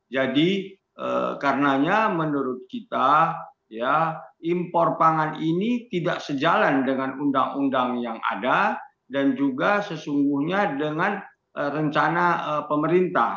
jadi karenanya menurut kita impor pangan ini tidak sejalan dengan undang undang yang ada dan juga sesungguhnya dengan rencana pemerintah